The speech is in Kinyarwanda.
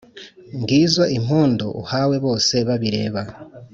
ngizo i mpundu uhawe bose babireba